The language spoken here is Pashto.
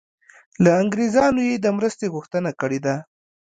له انګریزانو یې د مرستې غوښتنه کړې ده.